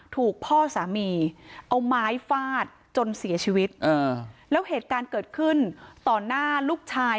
ถูกพ่อสามีเอาไม้ฟาดจนเสียชีวิตแล้วเหตุการณ์เกิดขึ้นต่อหน้าลูกชาย